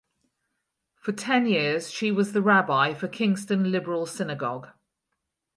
For ten years she was the Rabbi for Kingston Liberal Synagogue.